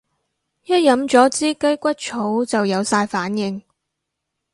一飲咗支雞骨草就有晒反應